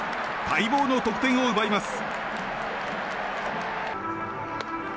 待望の得点を奪います。